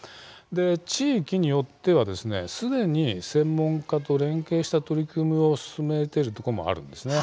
地域によっては、すでに専門家と連携した取り組みを進めているところもあるんです。